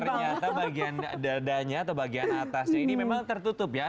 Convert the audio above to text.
ternyata bagian dadanya atau bagian atasnya ini memang tertutup ya